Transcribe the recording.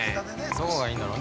◆どこがいいんだろう。